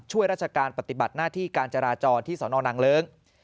ช่วยราชการปฏิบัติหน้าที่การจราจรที่สนนางเลิ้ง